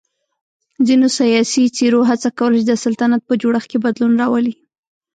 ځینو سیاسی څېرو هڅه کوله چې د سلطنت په جوړښت کې بدلون راولي.